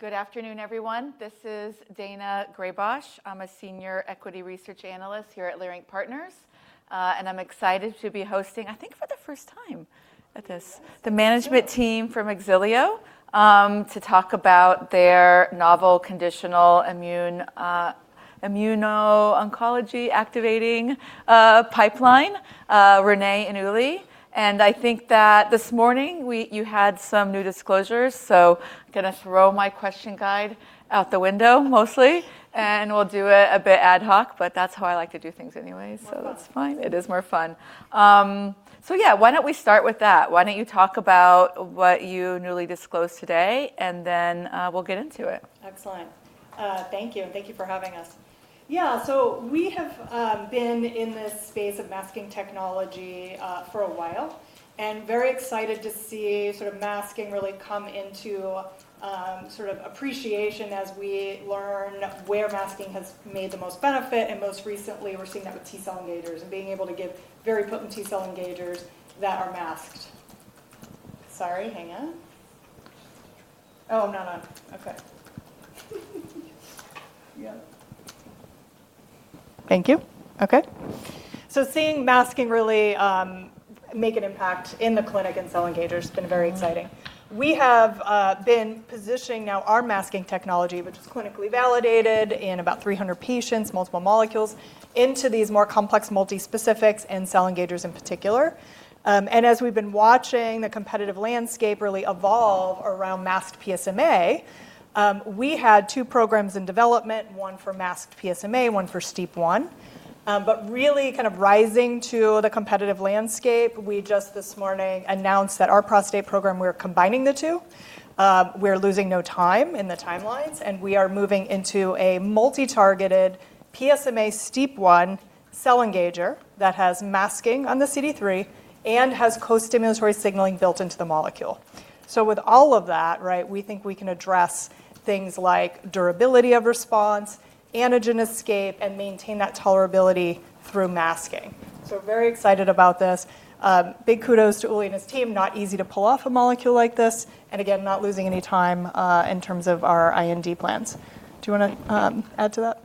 Good afternoon, everyone. This is Daina Graybosch. I'm a senior equity research analyst here at Leerink Partners, and I'm excited to be hosting, I think for the first time at this, the management team from Xilio, to talk about their novel conditional immune, immuno-oncology activating, pipeline, Rene and Uli. I think that this morning you had some new disclosures, so gonna throw my question guide out the window mostly, and we'll do it a bit ad hoc, but that's how I like to do things anyway. More fun. That's fine. It is more fun. Yeah, why don't we start with that? Why don't you talk about what you newly disclosed today, and then we'll get into it. Excellent. Thank you. Thank you for having us. Yeah. We have been in this space of masking technology for a while, and very excited to see sort of masking really come into sort of appreciation as we learn where masking has made the most benefit, and most recently, we're seeing that with T-cell engagers and being able to give very potent T-cell engagers that are masked. Sorry, hang on. Oh, no. Okay. Yeah. Thank you. Okay. Seeing masking really make an impact in the clinic and cell engagers has been very exciting. We have been positioning now our masking technology, which is clinically validated in about 300 patients, multiple molecules, into these more complex multispecifics and cell engagers in particular. As we've been watching the competitive landscape really evolve around masked PSMA, we had two programs in development, one for masked PSMA, one for STEAP1. Really kind of rising to the competitive landscape, we just this morning announced at our prostate program, we're combining the two. We're losing no time in the timelines, and we are moving into a multi-targeted PSMA STEAP1 cell engager that has masking on the CD3 and has co-stimulatory signaling built into the molecule. With all of that, right, we think we can address things like durability of response, antigen escape, and maintain that tolerability through masking. Very excited about this. Big kudos to Uli and his team. Not easy to pull off a molecule like this, and again, not losing any time in terms of our IND plans. Do you wanna add to that?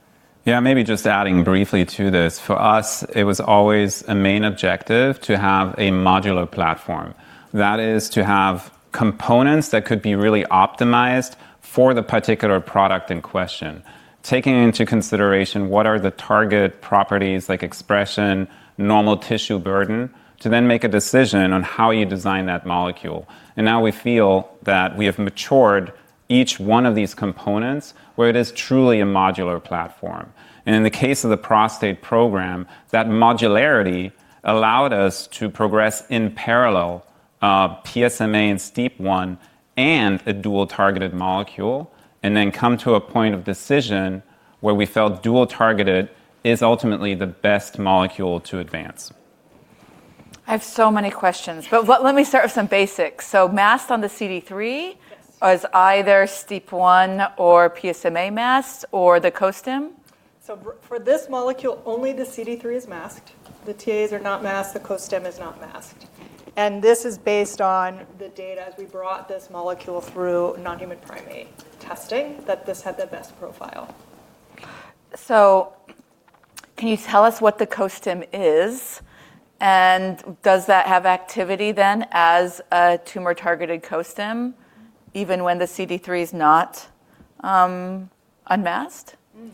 Maybe just adding briefly to this. For us, it was always a main objective to have a modular platform. That is to have components that could be really optimized for the particular product in question, taking into consideration what are the target properties like expression, normal tissue burden, to then make a decision on how you design that molecule. Now we feel that we have matured each one of these components where it is truly a modular platform. In the case of the prostate program, that modularity allowed us to progress in parallel, PSMA and STEAP1 and a dual targeted molecule, and then come to a point of decision where we felt dual targeted is ultimately the best molecule to advance. I have so many questions. let me start with some basics. masked on the CD3- Yes. Is either STEAP1 or PSMA masked or the costim? For this molecule, only the CD3 is masked. The TAs are not masked, the costim is not masked. This is based on the data as we brought this molecule through non-human primate testing, that this had the best profile. Can you tell us what the costim is? Does that have activity then as a tumor-targeted costim even when the CD3 is not unmasked? Mm.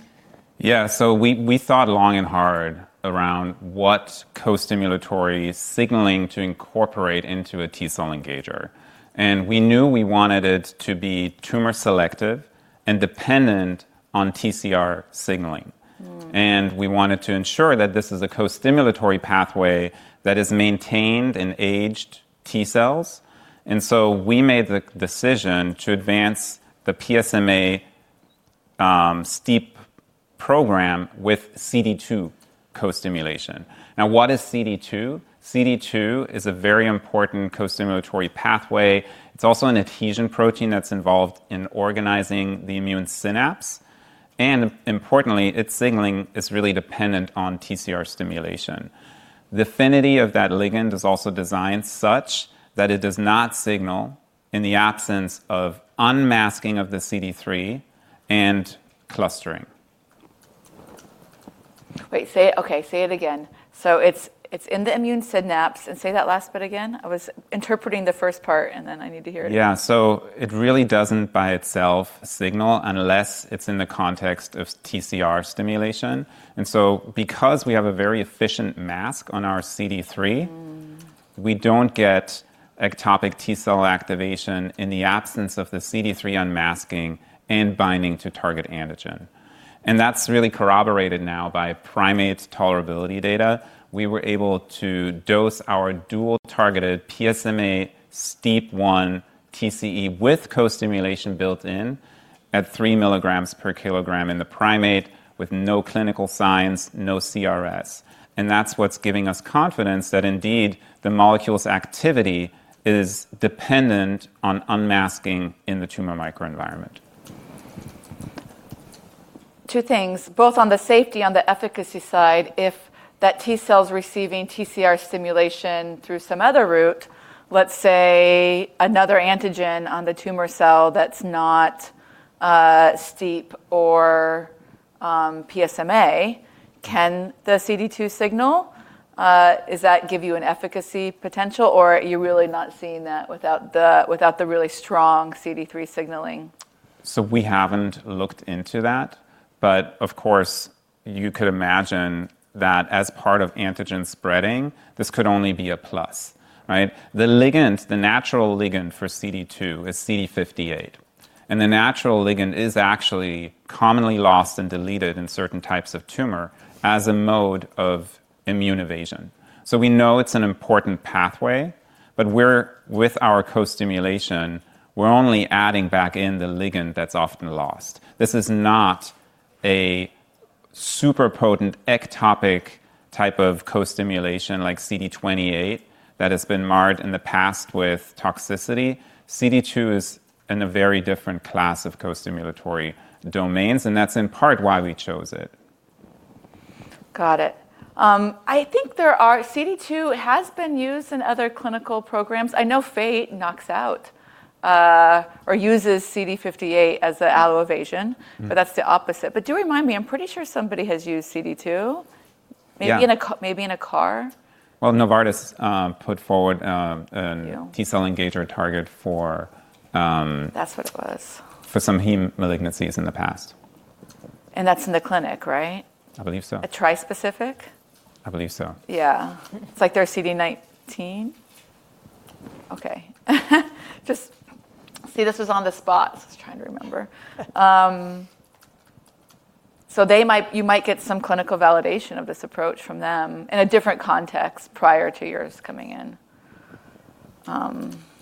Yeah. We thought long and hard around what co-stimulatory signaling to incorporate into a T-cell engager. We knew we wanted it to be tumor selective and dependent on TCR signaling. Mm. We wanted to ensure that this is a co-stimulatory pathway that is maintained in aged T-cells. We made the decision to advance the PSMA, STEAP1 program with CD2 co-stimulation. Now, what is CD2? CD2 is a very important co-stimulatory pathway. It's also an adhesion protein that's involved in organizing the immune synapse. Importantly, its signaling is really dependent on TCR stimulation. The affinity of that ligand is also designed such that it does not signal in the absence of unmasking of the CD3 and clustering. Wait. Okay, say it again. It's in the immune synapse. Say that last bit again. I was interpreting the first part, and then I need to hear it again. Yeah. It really doesn't by itself signal unless it's in the context of TCR stimulation. Because we have a very efficient mask on our CD3. Mm. We don't get ectopic T-cell activation in the absence of the CD3 unmasking and binding to target antigen. That's really corroborated now by primates tolerability data. We were able to dose our dual targeted PSMA STEAP1 TCE with co-stimulation built in at 3 mg per kilogram in the primate with no clinical signs, no CRS. That's what's giving us confidence that indeed the molecule's activity is dependent on unmasking in the tumor microenvironment. Two things, both on the safety and the efficacy side, if that T-cell's receiving TCR stimulation through some other route, let's say another antigen on the tumor cell that's not STEAP1 or PSMA, can the CD2 signal give you an efficacy potential or are you really not seeing that without the really strong CD3 signaling? We haven't looked into that, but of course you could imagine that as part of antigen spreading this could only be a plus, right? The ligand, the natural ligand for CD2 is CD58 and the natural ligand is actually commonly lost and deleted in certain types of tumor as a mode of immune evasion. We know it's an important pathway, but we're with our co-stimulation, we're only adding back in the ligand that's often lost. This is not a super potent ectopic type of co-stimulation like CD28 that has been marred in the past with toxicity. CD2 is in a very different class of co-stimulatory domains and that's in part why we chose it. Got it. CD2 has been used in other clinical programs. I know Fate knocks out, or uses CD58 as the allo evasion. Mm. That's the opposite. Do remind me, I'm pretty sure somebody has used CD2. Yeah. Maybe in a CAR. Novartis put forward. Yeah. T-cell engager target for- That's what it was. ...for some hematologic malignancies in the past. That's in the clinic, right? I believe so. A trispecific? I believe so. Yeah. It's like their CD19. Okay. See, this was on the spot, so I was trying to remember. They might, you might get some clinical validation of this approach from them in a different context prior to yours coming in.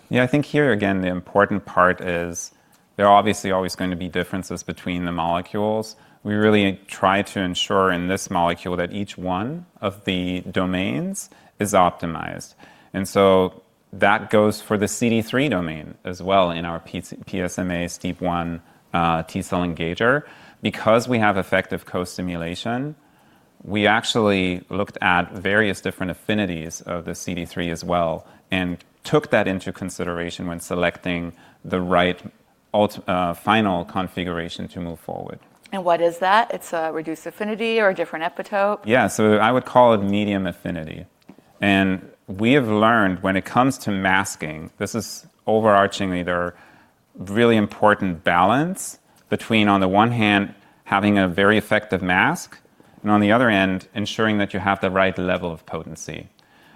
Yeah, I think here again the important part is there are obviously always going to be differences between the molecules. We really try to ensure in this molecule that each one of the domains is optimized and so that goes for the CD3 domain as well in our PSMA STEAP1 T-cell engager. Because we have effective co-stimulation, we actually looked at various different affinities of the CD3 as well and took that into consideration when selecting the right final configuration to move forward. What is that? It's a reduced affinity or a different epitope? Yeah. I would call it medium affinity and we have learned when it comes to masking, this is overarchingly their really important balance between, on the one hand, having a very effective mask and on the other end ensuring that you have the right level of potency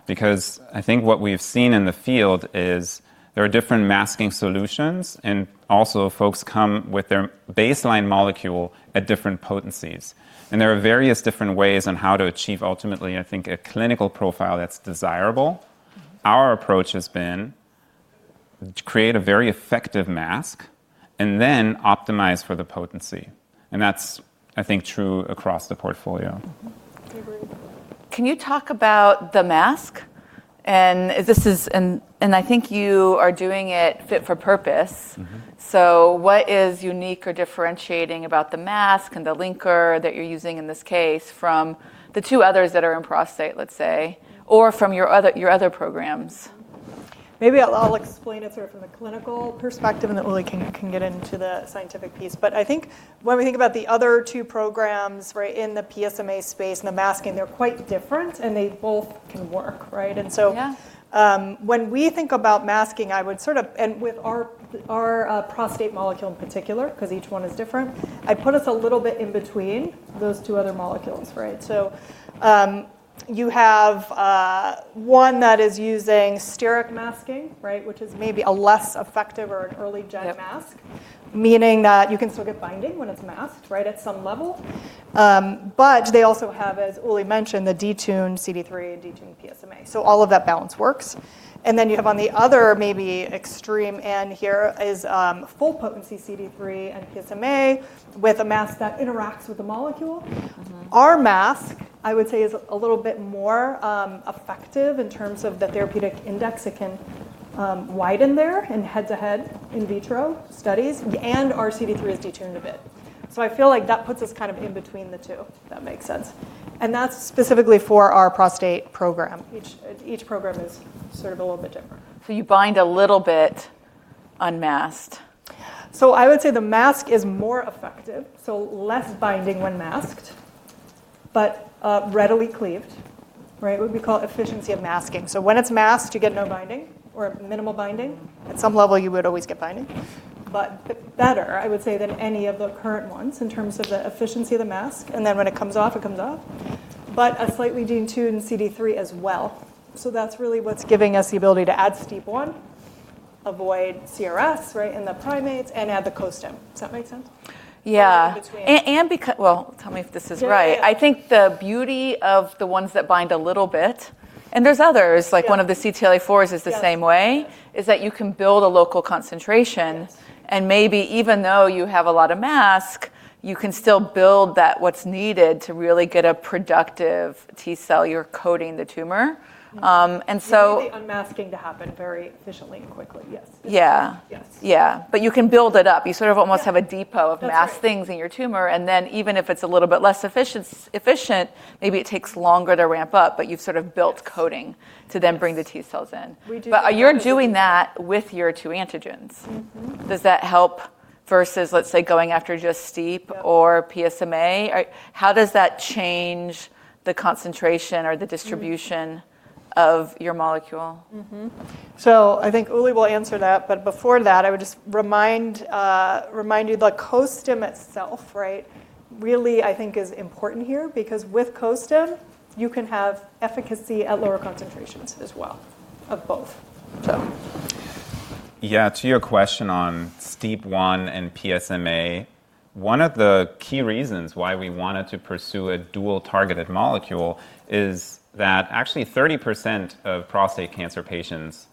because I think what we've seen in the field is there are different masking solutions and also folks come with their baseline molecule at different potencies and there are various different ways on how to achieve ultimately I think a clinical profile that's desirable. Our approach has been to create a very effective mask and then optimize for the potency and that's I think true across the portfolio. Mm-hmm. I agree. Can you talk about the mask and this is... I think you are doing it fit for purpose. Mm-hmm. What is unique or differentiating about the mask and the linker that you're using in this case from the two others that are in prostate let's say or from your other programs? Maybe I'll explain it sort of from the clinical perspective and then Uli can get into the scientific piece. I think when we think about the other two programs right in the PSMA space and the masking they're quite different and they both can work right- Yeah.... when we think about masking with our prostate molecule in particular 'cause each one is different I'd put us a little bit in between those two other molecules right? You have one that is using steric masking right which is maybe a less effective or an early gen mask meaning that you can still get binding when it's masked right at some level, but they also have as Uli mentioned the detuned CD3 and detuned PSMA so all of that balance works and then you have on the other maybe extreme end here is full potency CD3 and PSMA with a mask that interacts with the molecule. Mm-hmm. Our mask I would say is a little bit more effective in terms of the therapeutic index it can widen there in head-to-head in vitro studies and our CD3 is detuned a bit so I feel like that puts us kind of in between the two if that makes sense and that's specifically for our prostate program. Each program is sort of a little bit different. You bind a little bit unmasked? I would say the mask is more effective, so less binding when masked but readily cleaved, right, what we call efficiency of masking, so when it's masked you get no binding or minimal binding, at some level you would always get binding, but better, I would say, than any of the current ones in terms of the efficiency of the mask, and then when it comes off it comes off but a slightly detuned CD3 as well, so that's really what's giving us the ability to add STEAP1, avoid CRS right in the primates, and add the co-stim. Does that make sense? Yeah. In between. Well tell me if this is right. Yeah. I think the beauty of the ones that bind a little bit and there's others like one of the CTLA-4's is the same way is that you can build a local concentration- Yes. ... and maybe even though you have a lot of mask you can still build that what's needed to really get a productive T-cell you're coating the tumor and so. You need the unmasking to happen very efficiently and quickly, yes. Yeah. Yes. Yeah. You can build it up you sort of almost have a depot of masked things in your tumor and then even if it's a little bit less efficient maybe it takes longer to ramp up but you've sort of built coating to then bring the T-cells in. We do. You're doing that with your two antigens. Mm-hmm. Does that help? Versus let's say going after just STEAP1 or PSMA, right? How does that change the concentration or the distribution of your molecule? Mm-hmm. I think Uli will answer that, but before that, I would just remind you the costim itself, right? Really, I think is important here because with costim, you can have efficacy at lower concentrations as well of both. Yeah. To your question on STEAP1 and PSMA, one of the key reasons why we wanted to pursue a dual targeted molecule is that actually 30% of prostate cancer patients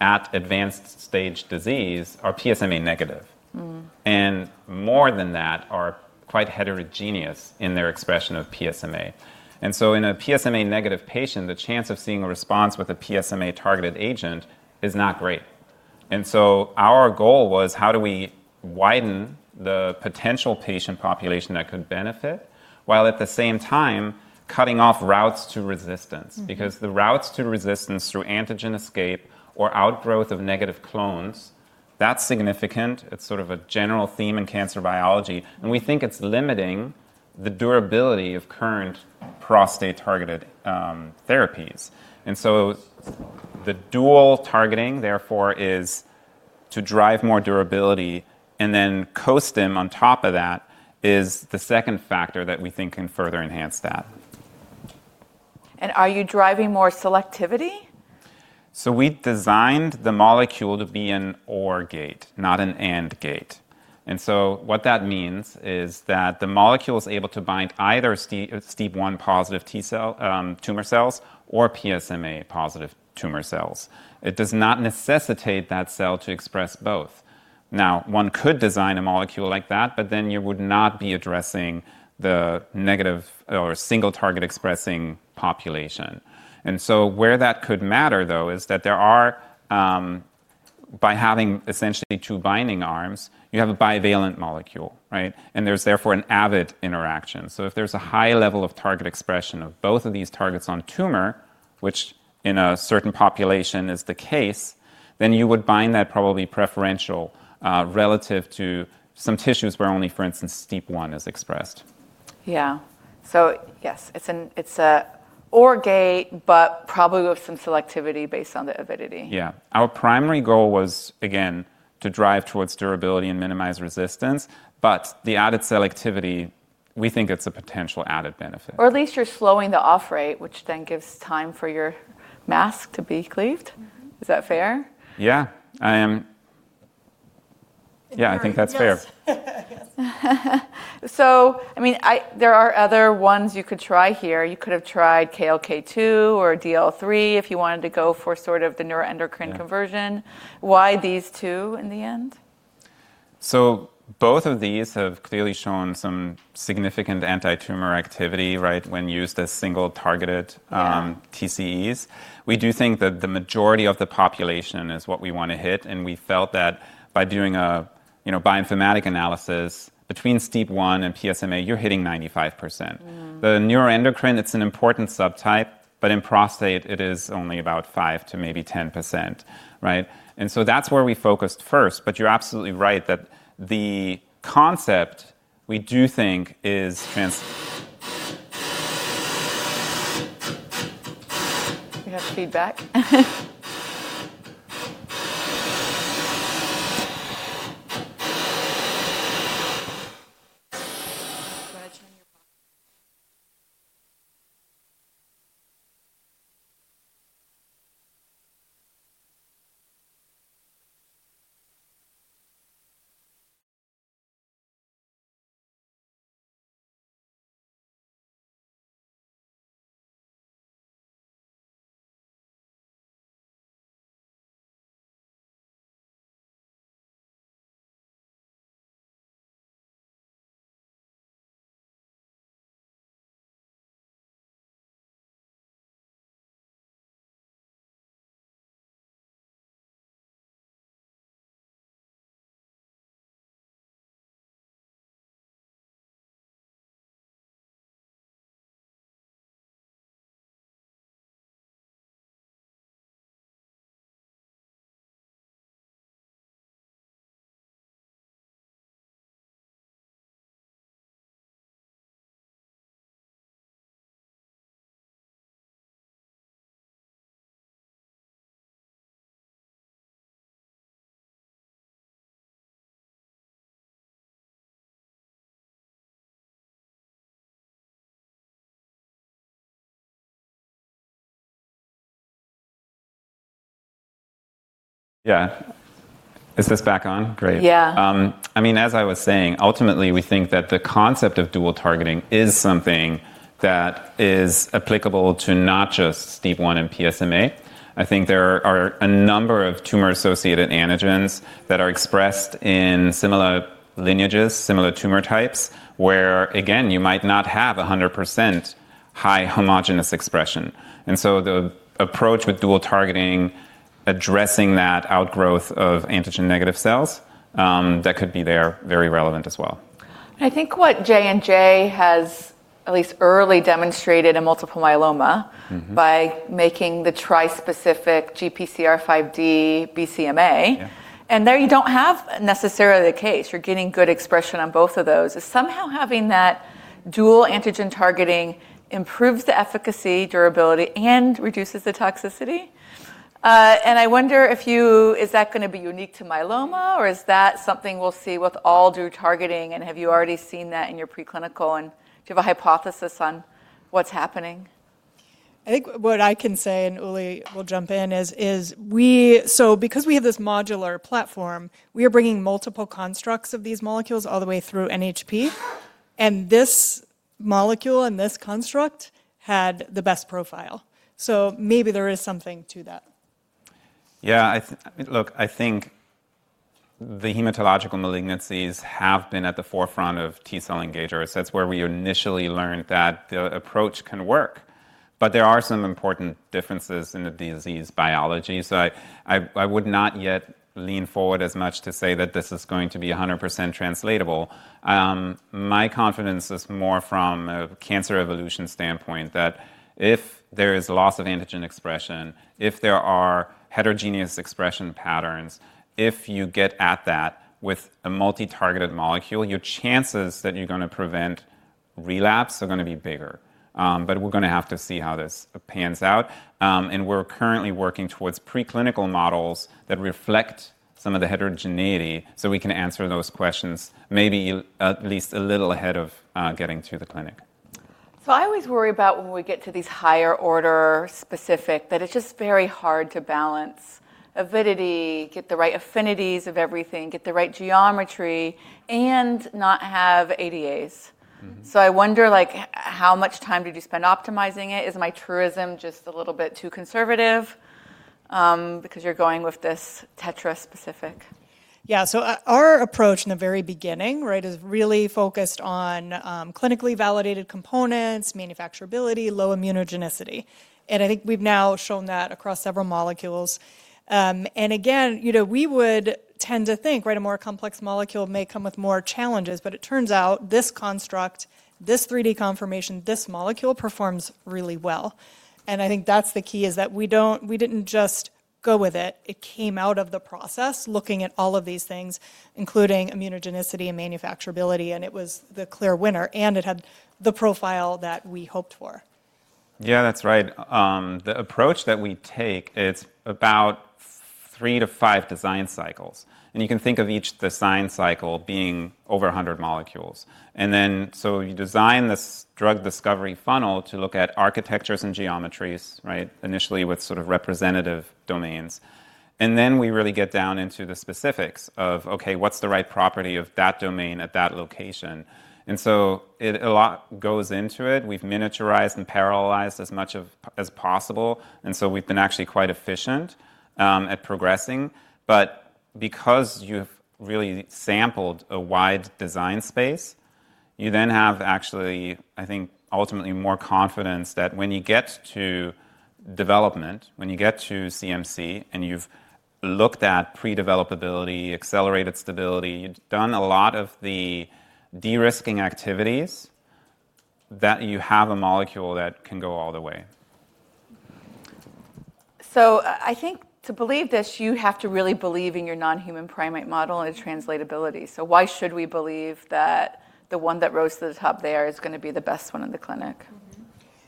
at advanced stage disease are PSMA negative. Mm. More than that are quite heterogeneous in their expression of PSMA. In a PSMA negative patient, the chance of seeing a response with a PSMA targeted agent is not great. Our goal was how do we widen the potential patient population that could benefit while at the same time cutting off routes to resistance. Mm. The routes to resistance through antigen escape or outgrowth of negative clones, that's significant. It's sort of a general theme in cancer biology. We think it's limiting the durability of current prostate targeted therapies. The dual targeting therefore is to drive more durability. Costim on top of that is the second factor that we think can further enhance that. Are you driving more selectivity? We designed the molecule to be an OR gate, not an AND gate. What that means is that the molecule is able to bind either STEAP1 positive T-cell, tumor cells or PSMA positive tumor cells. It does not necessitate that cell to express both. One could design a molecule like that, but then you would not be addressing the negative or single target expressing population. Where that could matter though, is that there are by having essentially two binding arms, you have a bivalent molecule, right? There's therefore an avid interaction. If there's a high level of target expression of both of these targets on tumor, which in a certain population is the case, then you would bind that probably preferential relative to some tissues where only, for instance, STEAP1 is expressed. Yeah. Yes, it's an OR gate, but probably with some selectivity based on the avidity. Our primary goal was, again, to drive towards durability and minimize resistance, but the added selectivity, we think it's a potential added benefit. At least you're slowing the off rate, which then gives time for your mask to be cleaved. Is that fair? Yeah, I think that's fair. Yes. I mean, there are other ones you could try here. You could have tried KLK2 or DLL3 if you wanted to go for sort of the neuroendocrine conversion. Yeah. Why these two in the end? Both of these have clearly shown some significant anti-tumor activity, right, when used as single targeted, TCEs. We do think that the majority of the population is what we want to hit, and we felt that by doing a, you know, bioinformatic analysis between STEAP1 and PSMA, you're hitting 95%. Mm. The neuroendocrine, it's an important subtype, but in prostate it is only about 5% to maybe 10%, right? That's where we focused first. You're absolutely right that the concept we do think is. We have feedback. Go ahead, turn your. Yeah. Is this back on? Great. Yeah. I mean, as I was saying, ultimately we think that the concept of dual targeting is something that is applicable to not just STEAP1 and PSMA. I think there are a number of tumor associated antigens that are expressed in similar lineages, similar tumor types, where again, you might not have 100% high homogenous expression. The approach with dual targeting, addressing that outgrowth of antigen negative cells, that could be there, very relevant as well. I think what J&J has at least early demonstrated in multiple myeloma by making the trispecific GPRC5D, BCMA. There you don't have necessarily the case. You're getting good expression on both of those. Is somehow having that dual antigen targeting improves the efficacy, durability, and reduces the toxicity? I wonder if is that gonna be unique to myeloma, or is that something we'll see with all dual targeting, and have you already seen that in your preclinical, and do you have a hypothesis on what's happening? I think what I can say, and Uli will jump in, is because we have this modular platform, we are bringing multiple constructs of these molecules all the way through NHP, and this molecule and this construct had the best profile. Maybe there is something to that. I look, I think the hematological malignancies have been at the forefront of T-cell engagers. That's where we initially learned that the approach can work. There are some important differences in the disease biology. I would not yet lean forward as much to say that this is going to be 100% translatable. My confidence is more from a cancer evolution standpoint, that if there is loss of antigen expression, if there are heterogeneous expression patterns, if you get at that with a multi-targeted molecule, your chances that you're gonna prevent relapse are gonna be bigger. We're gonna have to see how this pans out. We're currently working towards preclinical models that reflect some of the heterogeneity, so we can answer those questions maybe at least a little ahead of getting to the clinic. I always worry about when we get to these higher order specific, that it's just very hard to balance avidity, get the right affinities of everything, get the right geometry, and not have ADAs. Mm-hmm. I wonder, like, how much time did you spend optimizing it? Is my tourism just a little bit too conservative, because you're going with this tetraspecific? Yeah. Our approach in the very beginning, right, is really focused on clinically validated components, manufacturability, low immunogenicity, and I think we've now shown that across several molecules. Again, you know, we would tend to think, right, a more complex molecule may come with more challenges, but it turns out this construct, this 3D confirmation, this molecule performs really well. I think that's the key, is that we didn't just go with it. It came out of the process, looking at all of these things, including immunogenicity and manufacturability, and it was the clear winner, and it had the profile that we hoped for. Yeah, that's right. The approach that we take, it's about 3-5 design cycles, and you can think of each design cycle being over 100 molecules. You design this drug discovery funnel to look at architectures and geometries, right, initially with sort of representative domains. We really get down into the specifics of, okay, what's the right property of that domain at that location? A lot goes into it. We've miniaturized and parallelized as much as possible. We've been actually quite efficient at progressing. Because you've really sampled a wide design space, you then have actually, I think, ultimately more confidence that when you get to development, when you get to CMC, and you've looked at pre-developability, accelerated stability, you've done a lot of the de-risking activities that you have a molecule that can go all the way. I think to believe this, you have to really believe in your non-human primate model and its translatability. Why should we believe that the one that rose to the top there is gonna be the best one in the clinic?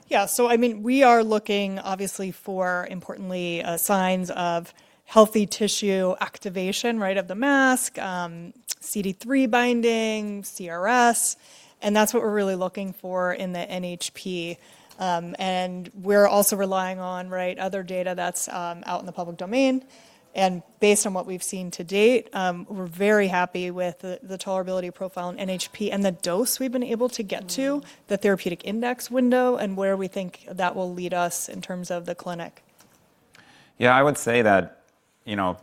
Yeah. We are looking obviously for importantly, signs of healthy tissue activation, right, of the mask, CD3 binding, CRS, and that's what we're really looking for in the NHP. We're also relying on, right, other data that's out in the public domain. Based on what we've seen to date, we're very happy with the tolerability profile in NHP and the dose we've been able to get to- Mm-hmm. ...the therapeutic index window and where we think that will lead us in terms of the clinic. Yeah, I would say that, you know,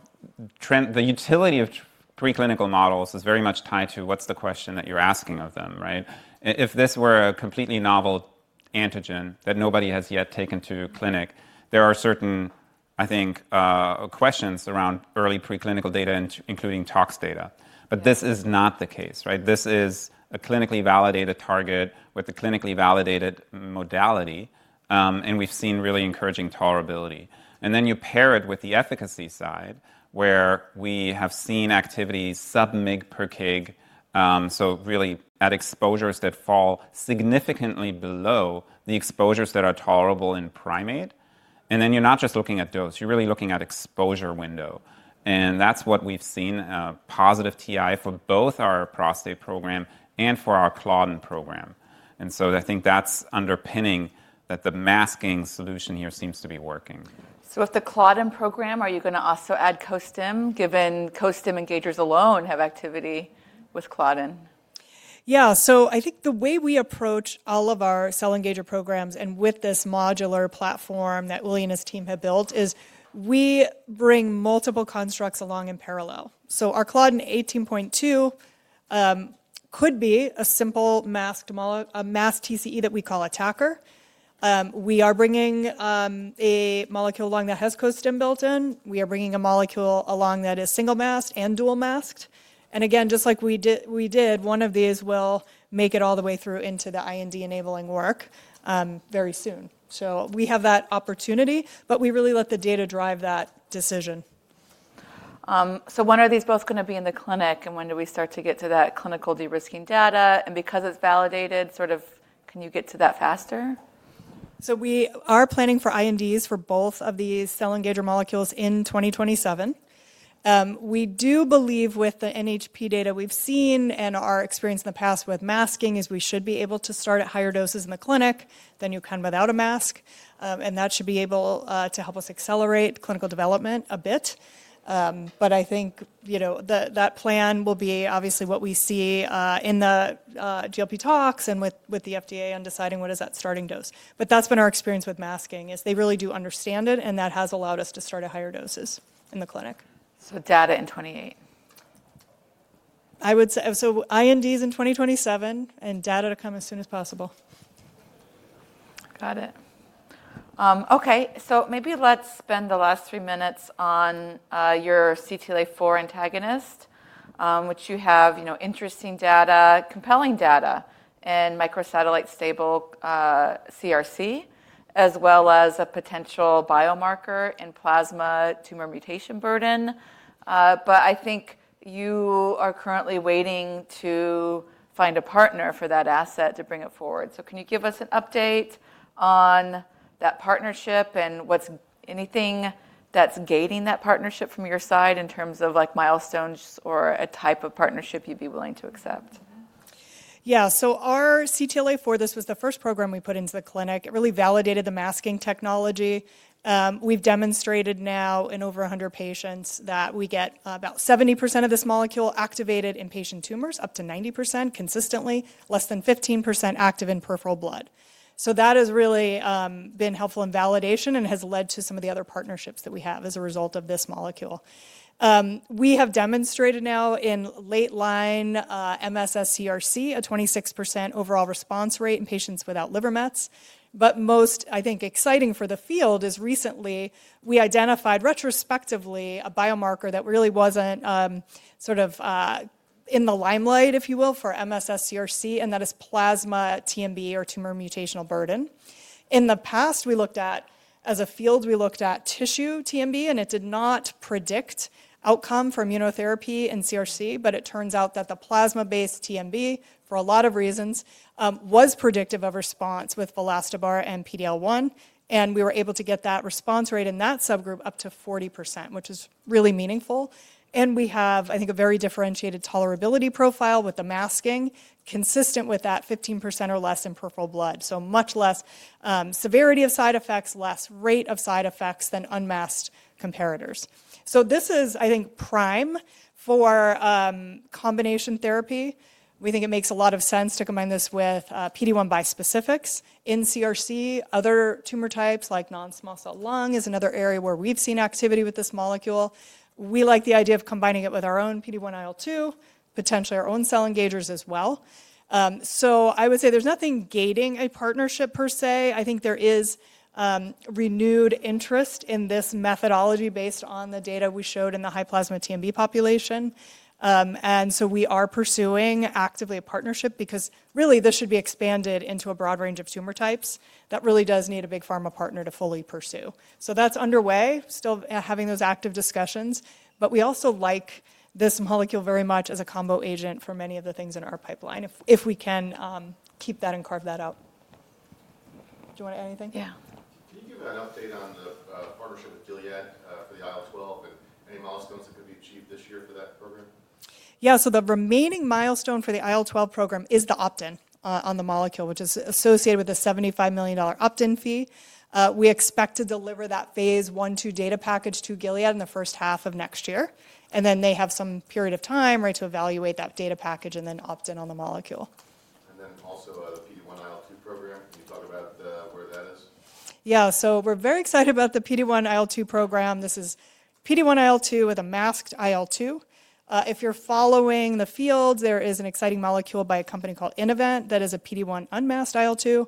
the utility of preclinical models is very much tied to what's the question that you're asking of them, right? If this were a completely novel antigen that nobody has yet taken to clinic, there are certain, I think, questions around early preclinical data including tox data. This is not the case, right? This is a clinically validated target with a clinically validated modality, and we've seen really encouraging tolerability. Then you pair it with the efficacy side, where we have seen activity sub-mg per kg, so really at exposures that fall significantly below the exposures that are tolerable in primate, and then you're not just looking at dose. You're really looking at exposure window, and that's what we've seen, positive TI for both our prostate program and for our claudin program. I think that's underpinning that the masking solution here seems to be working. With the claudin program, are you gonna also add costim, given costim engagers alone have activity with claudin? Yeah. I think the way we approach all of our cell engager programs and with this modular platform that Uli and his team have built is we bring multiple constructs along in parallel. Our claudin 18.2 could be a simple masked TCE that we call ATACR. We are bringing a molecule along that has costim built in. We are bringing a molecule along that is single masked and dual masked. Again, just like we did, one of these will make it all the way through into the IND-enabling work very soon. We have that opportunity. We really let the data drive that decision. When are these both gonna be in the clinic, and when do we start to get to that clinical de-risking data? Because it's validated, sort of can you get to that faster? We are planning for INDs for both of these cell engager molecules in 2027. We do believe with the NHP data we've seen and our experience in the past with masking is we should be able to start at higher doses in the clinic than you can without a mask. That should be able to help us accelerate clinical development a bit. I think, you know, that plan will be obviously what we see in the GLP talks and with the FDA on deciding what is that starting dose. That's been our experience with masking, is they really do understand it, and that has allowed us to start at higher doses in the clinic. Data in 2028. INDs in 2027 and data to come as soon as possible. Got it. Okay. Maybe let's spend the last three minutes on your CTLA-4 antagonist, which you have, you know, interesting data, compelling data in microsatellite stable CRC, as well as a potential biomarker in plasma tumor mutational burden. I think you are currently waiting to find a partner for that asset to bring it forward. Can you give us an update on that partnership and what's anything that's gating that partnership from your side in terms of like milestones or a type of partnership you'd be willing to accept? Yeah. Our CTLA-4, this was the first program we put into the clinic. It really validated the masking technology. We've demonstrated now in over 100 patients that we get about 70% of this molecule activated in patient tumors, up to 90% consistently, less than 15% active in peripheral blood. That has really been helpful in validation and has led to some of the other partnerships that we have as a result of this molecule. We have demonstrated now in late line MSS CRC a 26% overall response rate in patients without liver mets. Most, I think, exciting for the field is recently we identified retrospectively a biomarker that really wasn't sort of in the limelight, if you will, for MSS CRC, and that is plasma TMB or tumor mutational burden. In the past, as a field, we looked at tissue TMB. It did not predict outcome for immunotherapy in CRC. It turns out that the plasma-based TMB, for a lot of reasons, was predictive of response with vilastobart and PDL-1. We were able to get that response rate in that subgroup up to 40%, which is really meaningful. We have, I think, a very differentiated tolerability profile with the masking consistent with that 15% or less in peripheral blood. Much less severity of side effects, less rate of side effects than unmasked comparators. This is, I think, prime for combination therapy. We think it makes a lot of sense to combine this with PD-1 bispecifics in CRC. Other tumor types, like non-small cell lung, is another area where we've seen activity with this molecule. We like the idea of combining it with our own PD-1 IL-2, potentially our own T-cell engagers as well. I would say there's nothing gating a partnership per se. I think there is renewed interest in this methodology based on the data we showed in the high plasma TMB population. We are pursuing actively a partnership because really this should be expanded into a broad range of tumor types that really does need a big pharma partner to fully pursue. That's underway, still, having those active discussions. We also like this molecule very much as a combo agent for many of the things in our pipeline if we can keep that and carve that out. Do you wanna add anything? Yeah. Can you give an update on the partnership with Gilead for the IL-12 and any milestones that could be achieved this year for that program? The remaining milestone for the IL-12 program is the opt-in on the molecule, which is associated with a $75 million opt-in fee. We expect to deliver that phase I, II data package to Gilead in the first half of next year. They have some period of time, right, to evaluate that data package and then opt in on the molecule. The PD-1 IL-2 program. Can you talk about where that is? We're very excited about the PD-1 IL-2 program. This is PD-1 IL-2 with a masked IL-2. If you're following the field, there is an exciting molecule by a company called Innovent that is a PD-1 unmasked IL-2.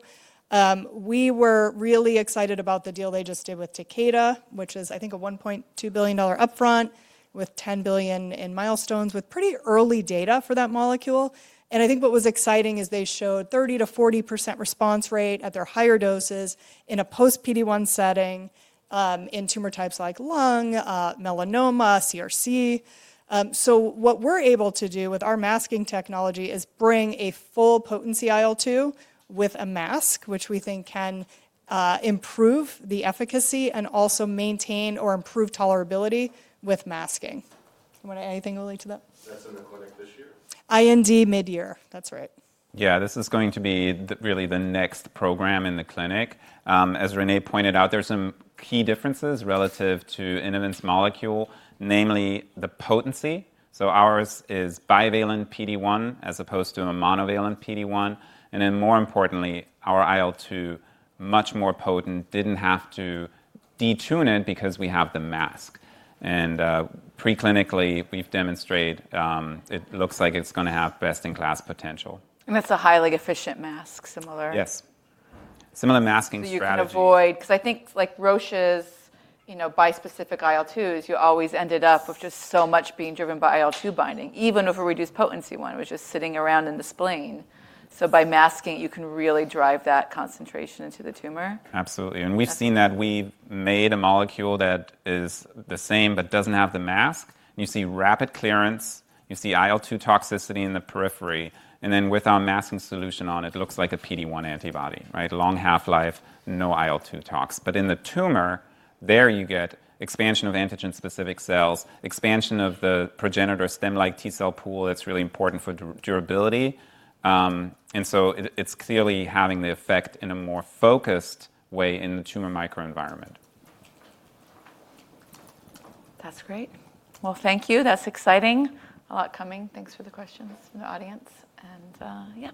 We were really excited about the deal they just did with Takeda, which is I think a $1.2 billion upfront with $10 billion in milestones with pretty early data for that molecule. I think what was exciting is they showed 30%-40% response rate at their higher doses in a post PD-1 setting, in tumor types like lung, melanoma, CRC. What we're able to do with our masking technology is bring a full potency IL-2 with a mask, which we think can improve the efficacy and also maintain or improve tolerability with masking. You wanna add anything, uLI, to that? That's in the clinic this year? IND midyear. That's right. Yeah. This is going to be the really the next program in the clinic. As Rene pointed out, there are some key differences relative to Innovent's molecule, namely the potency. Ours is bivalent PD-1 as opposed to a monovalent PD-1. More importantly, our IL-2, much more potent, didn't have to detune it because we have the mask. Preclinically, we've demonstrated, it looks like it's gonna have best-in-class potential. It's a highly efficient mask, similar. Yes. Similar masking strategy. You can avoid 'cause I think, like, Roche's, you know, bispecific IL-2s, you always ended up with just so much being driven by IL-2 binding, even with a reduced potency one. It was just sitting around in the spleen. By masking, you can really drive that concentration into the tumor. Absolutely. We've seen that. We've made a molecule that is the same but doesn't have the mask, and you see rapid clearance, you see IL-2 toxicity in the periphery. With our masking solution on it looks like a PD-1 antibody, right? Long half-life, no IL-2 tox. In the tumor, there you get expansion of antigen-specific cells, expansion of the progenitor stem-like T-cell pool that's really important for durability. It's clearly having the effect in a more focused way in the tumor microenvironment. That's great. Well, thank you. That's exciting. A lot coming. Thanks for the questions from the audience. Yeah.